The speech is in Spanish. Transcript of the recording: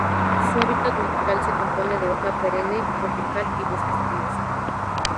Su hábitat natural se compone de hoja perenne tropical y bosque espinoso.